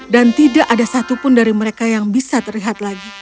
dan tidak ada satupun dari mereka yang bisa terlihat lagi